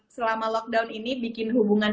selama lockdown ini bikin hubungan